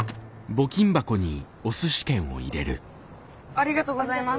ありがとうございます。